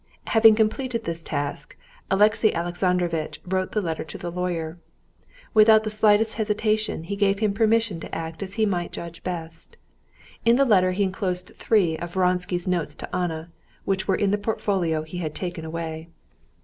Having completed this task, Alexey Alexandrovitch wrote the letter to the lawyer. Without the slightest hesitation he gave him permission to act as he might judge best. In the letter he enclosed three of Vronsky's notes to Anna, which were in the portfolio he had taken away.